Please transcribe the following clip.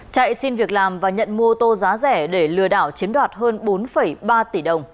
chạy xin việc làm và nhận mua tô giá rẻ để lừa đảo chiếm đoạt hơn bốn ba tỷ đồng